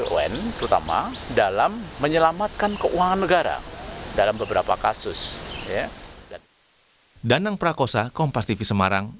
pt un terutama dalam menyelamatkan keuangan negara dalam beberapa kasus